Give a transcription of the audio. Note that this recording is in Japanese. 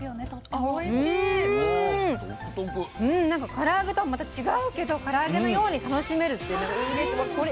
から揚げとはまた違うけどから揚げのように楽しめるってなんかいいです。